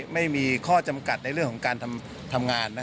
ไม่มีข้อจำกัดในเรื่องของการทำงาน